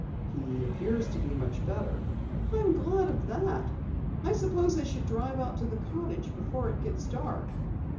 "He appears to be much better." "I'm glad of that. I suppose I should drive out to the cottage before it gets dark."